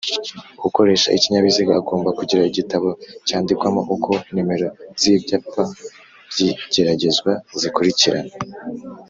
Ukoresha ikinyabiziga agomba kugira igitabo cyandikwamo uko numero z'ibyapa by'igeragezwa zikurikirana.